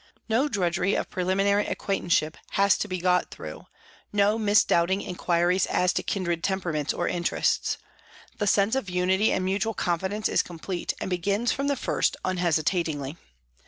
No drudgery of preliminary acquaintanceship has to be got through, no misdoubting inquiries as to kindred tempera ments or interests. The sense of unity and mutual confidence is complete and begins from the first unhesitatingly.